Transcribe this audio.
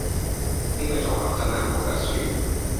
呢個組合真係冇得輸